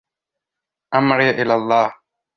أَمْرِي إِلَى اللهِ